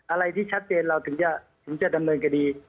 อะไรที่ชัดเจนเราถึงจะดำเนินคดี